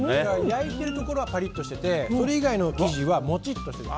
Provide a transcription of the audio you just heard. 焼いてるところはパリッとしててそれ以外の生地はモチッとしている。